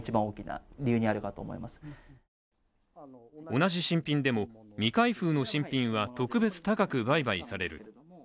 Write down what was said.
同じ新品でも未開封の新品は特別高く売買される。